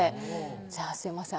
じゃあすいません